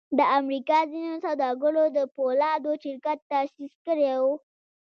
د امریکا ځینو سوداګرو د پولادو شرکت تاسیس کړی و